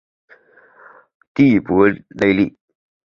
蒂珀雷里。